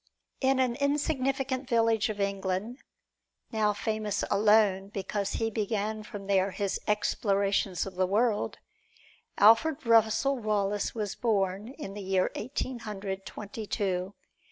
In an insignificant village of England, now famous alone because he began from there his explorations of the world, Alfred Russel Wallace was born, in the year Eighteen Hundred Twenty two.